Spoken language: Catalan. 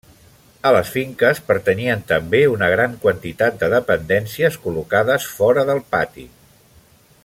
A les finques pertanyien també una gran quantitat de dependències, col·locades fora del pati.